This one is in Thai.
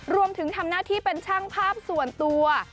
รวมถึงทำหน้าที่เป็นช่างภาพส่วนตัว